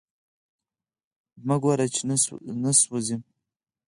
مه ګوره چی نه سوازی